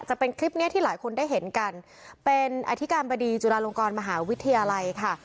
จะเป็นคลิปเนี้ยที่หลายคนได้เห็นกันเป็นอธิการบดีจุฬาลงกรมหาวิทยาลัยค่ะ